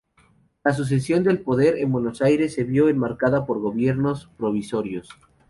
La sucesión del poder en Buenos Aires se vio enmarcada por gobiernos provisorios.